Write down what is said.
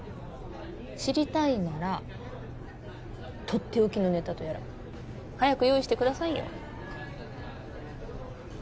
知りたいならとっておきのネタとやら早く用意してくださいよ